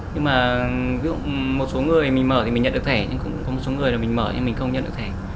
nhưng mà ví dụ một số người mình mở thì mình nhận được thẻ nhưng cũng có một số người là mình mở nhưng mình không nhận được thẻ